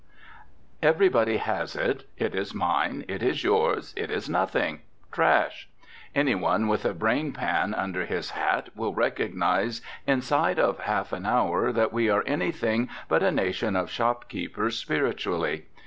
Everybody has it. It is mine, it is yours, it is nothing trash. Any one with a brain pan under his hat will recognise inside of half an hour that we are anything but a nation of shopkeepers spiritually.